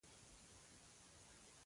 په جملو کې استعمال کړي.